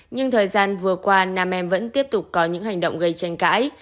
nhưng thời gian vừa qua nam em vẫn tiếp tục có những hành động gây tranh cãi